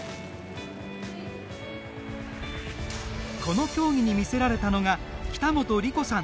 この競技に魅せられたのが北本理子さん。